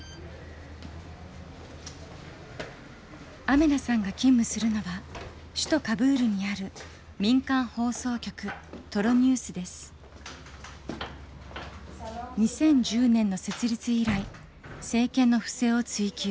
アメナさんが勤務するのは首都カブールにある２０１０年の設立以来政権の不正を追及。